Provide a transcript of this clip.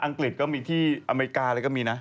กฤษก็มีที่อเมริกาอะไรก็มีนะ